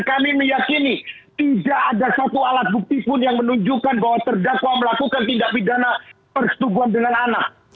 kami meyakini tidak ada satu alat bukti pun yang menunjukkan bahwa terdakwa melakukan tindak pidana persetubuhan dengan anak